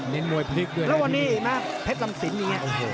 เน้นมวยพลิกด้วยนะที่แล้ววันนี้อีกนะเพชรลำสินอย่างเงี้ย